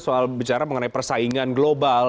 soal bicara mengenai persaingan global